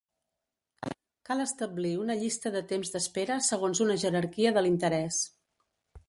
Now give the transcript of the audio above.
Cal establir una llista de temps d'espera segons una jerarquia de l'interès.